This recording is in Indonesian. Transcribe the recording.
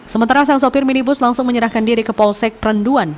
sementara sang sopir minibus langsung menyerahkan diri ke polsek perenduan